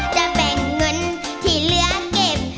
จะแบ่งเงินที่เหลือเก็บ